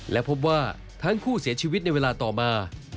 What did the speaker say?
และพบว่าทั้งคู่เสียชีวิตในเวลาต่อมา